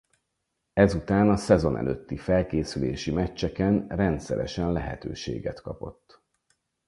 Ezután a szezon előtti felkészülési meccseken rendszeresen lehetőséget kapott.